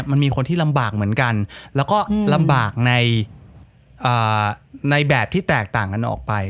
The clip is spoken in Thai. มันมีคนที่ลำบากเหมือนกันแล้วก็ลำบากในแบบที่แตกต่างกันออกไป